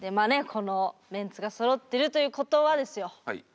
このメンツがそろってるということはですよ